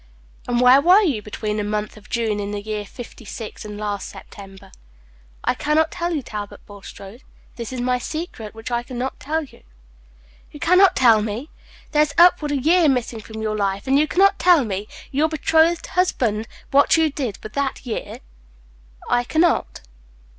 "And where were you between the month of June in the year fifty six and last September?" "I can not tell you, Talbot Bulstrode. This is my secret, which I can not tell you." "You can not tell me! There is upward of a year missing from your life, and you can not tell me, your betrothed husband, what you did with that year?" "I can not."